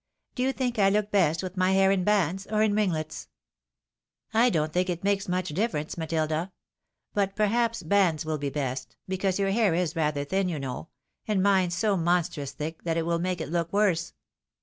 Do you think I look best vrith my hair in bands, or in ringlets ?"" I don't think it makes much difference, Matilda. But, perhaps, bands wiU be best, because your hair is rather thin, you know — and mine's so monstrous thick, that it will make it look worse."